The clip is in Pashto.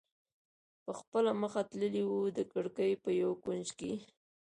په خپله مخه تللی و، د کړکۍ په یو کونج کې یې.